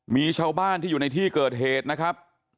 มีชาวบ้านที่อยู่ในที่เกิดเหตุนะครับ